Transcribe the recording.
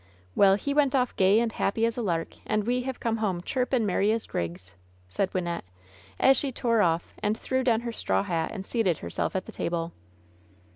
"Well, he went off gay and happy as a lark, and we have come home chirp and merry as grigs 1" said Wyn nette, as she tore off and threw down her straw hat and seated herself at the table.